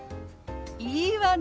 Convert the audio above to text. いいわね！